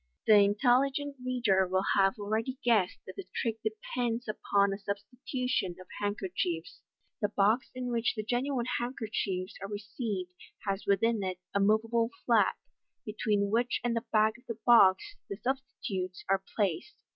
The intelligent reader will have already guessed that the trick depends upon a substitution of handkerchiefs. The box in which the genuine handkerchiefs are received has within it a moveable flap, between which and the back of the box the substitutes are placed.